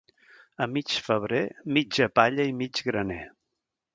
A mig febrer, mitja palla i mig graner.